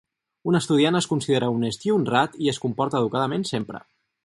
Un estudiant es considera honest i honrat i es comporta educadament sempre.